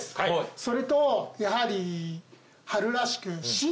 それとやはり春らしく。